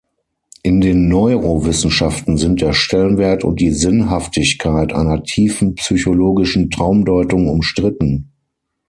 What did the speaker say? In den Neurowissenschaften sind der Stellenwert und die Sinnhaftigkeit einer tiefenpsychologischen Traumdeutung umstritten.